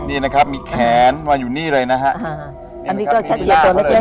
นี่นะครับมีแขนวางอยู่นี่เลยนะฮะอันนี้ก็แค่เชียร์ตัวเล็กเล็ก